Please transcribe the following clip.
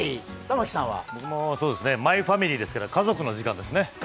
僕も「マイファミリー」ですから家族の時間ですね。